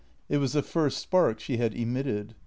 It was the first spark she had emitted.